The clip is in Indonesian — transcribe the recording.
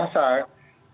nah ini kan luar biasa